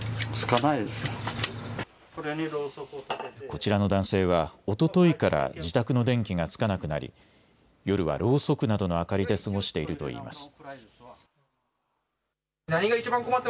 こちらの男性はおとといから自宅の電気がつかなくなり夜はろうそくなどの明かりで過ごしているといいます。